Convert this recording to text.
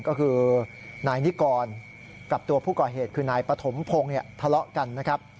ก็คือนายนิกรกับตัวผู้ก่อเหตุคือนายปฐมพงศ์ทะเลาะกันนะครับ